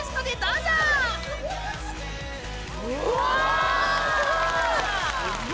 うわ！